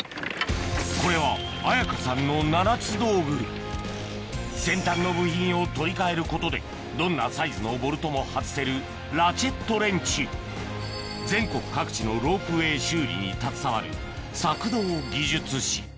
これは綾香さんの先端の部品を取り換えることでどんなサイズのボルトも外せる全国各地のロープウエー修理に携わる索道技術士